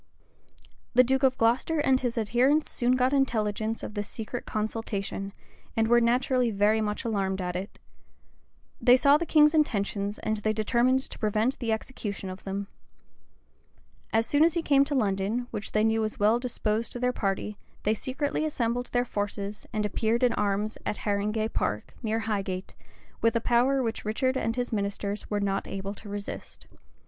[*]* Cotton, p. 322. The duke of Glocester and his adherents soon got intelligence of this secret consultation, and were naturally very much alarmed at it. They saw the king's intentions; and they determined to prevent the execution of them. As soon as he came to London, which they knew was well disposed to their party, they secretly assembled their forces, and appeared in arms at Haringay Park, near Highgate, with a power which Richard and his ministers were not able to resist.